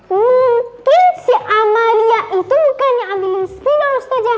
mungkin si amalia itu bukan yang ambilin spidol ustazah